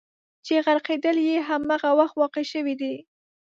چې غرقېدل یې همغه وخت واقع شوي دي.